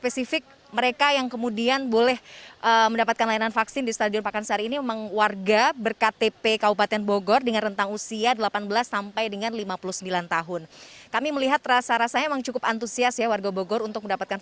sejauh ini pengamatan kami teman teman